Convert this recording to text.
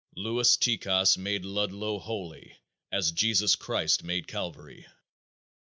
_Louis Tikas made Ludlow holy as Jesus Christ made Calvary!